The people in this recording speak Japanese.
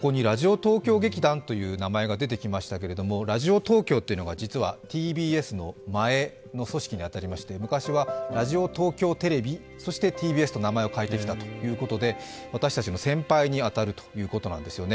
東京劇団という名前が出てきましたけれども、ラジオ東京というのが実はＴＢＳの前の組織に当たりまして昔はラジオ東京テレビ、そしてＴＢＳと名前を変えてきたということで、私たちの先輩に当たるということなんですよね。